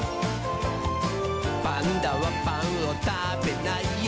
「パンダはパンをたべないよ」